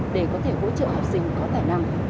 để có thể hỗ trợ hợp tác